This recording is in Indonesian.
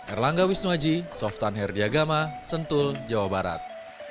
erlangga wisnuaji softan herdiagama sentul jawa barat